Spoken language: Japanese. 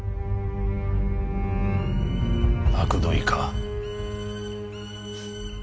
あくどいか。